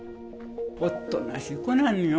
おとなしい子なんよ。